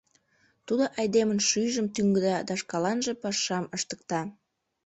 Тудо айдемын шӱйжым тӱҥда да шкаланже пашам ыштыкта.